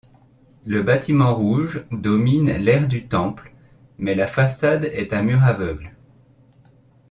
Le bâtiment rouge domine l'aire du temple, mais la façade est un mur aveugle.